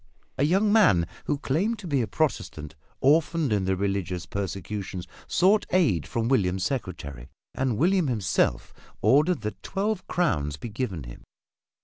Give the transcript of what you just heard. A young man, who claimed to be a Protestant orphaned in the religious persecutions, sought aid from William's secretary, and William himself ordered that twelve crowns be given him.